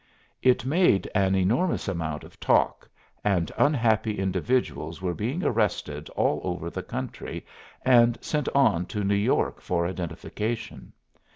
It made an enormous amount of talk, and unhappy individuals were being arrested all over the country, and sent on to New York for identification.